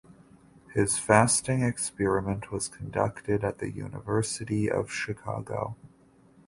His fasting experiment was conducted at the University of Chicago.